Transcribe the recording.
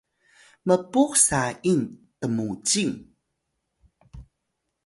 mpux saying tmucing